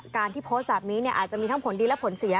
การที่โพสต์แบบนี้อาจจะมีทั้งผลดีและผลเสีย